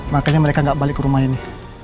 makanya mereka nggak balik ke rumah ini